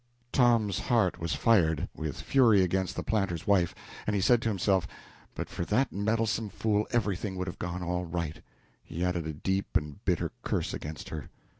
Tom's heart was fired with fury against the planter's wife; and he said to himself, "But for that meddlesome fool, everything would have gone all right." He added a deep and bitter curse against her.